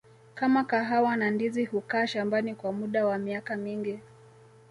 kama kahawa na ndizi hukaa shambani kwa muda wa miaka mingi